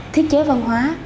thiết chế văn hóa